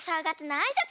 あいさつ！